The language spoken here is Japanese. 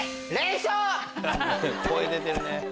声出てるね。